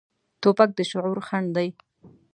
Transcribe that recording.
توپک د شعور خنډ دی.